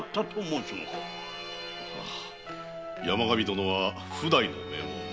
山上殿は譜代の名門。